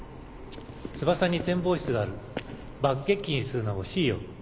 翼に展望室がある爆撃機にするのは惜しいよ。